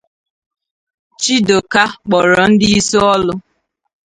Chidoka kpọrọ ndị isi ọlụ